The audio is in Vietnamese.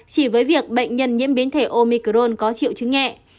chỉ với việc bệnh nhân nhiễm biến thể omicron có triệu chứng nhẹ